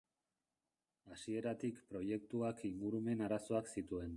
Hasieratik proiektuak ingurumen arazoak zituen.